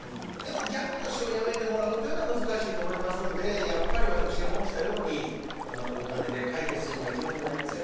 でもギャグの使用をやめてもらうというのは難しいと思いますんでやっぱり私が申したようにお金で解決するのが一番じゃないですか。